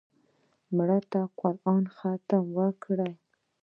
مړه ته د قرآن ختم وکړې